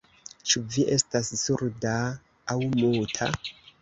Ĉu vi estas surda aŭ muta?